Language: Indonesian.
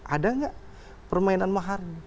ada nggak permainan mahar